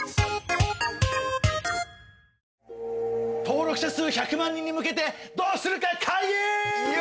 登録者数１００万人に向けてどうするか会議！